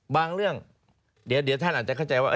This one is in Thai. บางเรื่องเดี๋ยวท่านอาจจะเข้าใจว่า